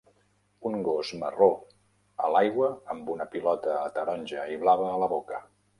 Un gos marró a l'aigua amb una pilota taronja i blava a la boca.